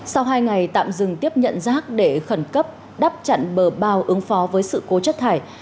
sau hai ngày tạm dừng tiếp nhận rác để khẩn cấp đắp chặn bờ bao ứng phó với sự cố chất thải